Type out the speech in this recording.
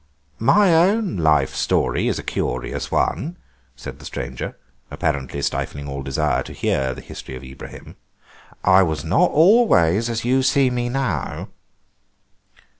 "My own life story is a curious one," said the stranger, apparently stifling all desire to hear the history of Ibrahim; "I was not always as you see me now."